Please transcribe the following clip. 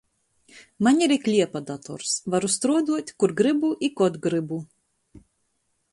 Maņ ir i kliepa dators — varu struoduot, kur grybu i kod grybu.